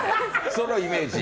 そのイメージ。